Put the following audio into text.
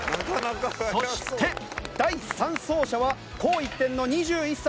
そして第３走者は紅一点の２１歳。